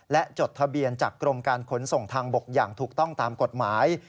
และจดทะเบียนจากกรมการขนส่งทางบกอย่างถูกต้องตามกฎหมาย